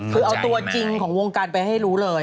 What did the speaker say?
คือเอาตัวจริงของวงการไปให้รู้เลย